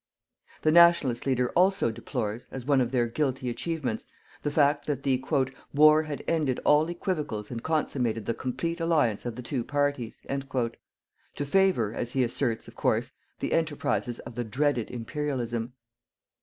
The Nationalist leader also deplores, as one of their guilty achievements, the fact that the "war had ended all equivocals and consummated the complete alliance of the two parties," to favour, as he asserts, of course, the enterprises of the dreaded Imperialism.